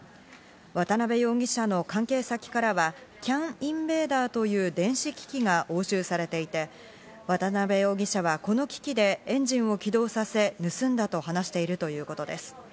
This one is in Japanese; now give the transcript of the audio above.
渡辺容疑者の関係先からはＣＡＮインベーダーという電子機器が押収されていて、渡辺容疑者はこの機器でエンジンを起動させ盗んだと話しているということです。